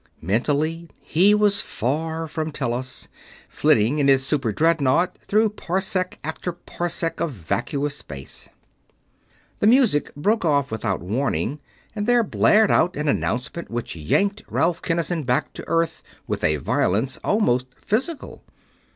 Mentally, he was far from Tellus, flitting in his super dreadnaught through parsec after parsec of vacuous space. The music broke off without warning and there blared out an announcement which yanked Ralph Kinnison back to Earth with a violence almost physical.